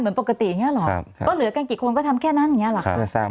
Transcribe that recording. เหมือนปกติอย่างนี้หรอก็เหลือกันกี่คนก็ทำแค่นั้นอย่างนี้หรอคะ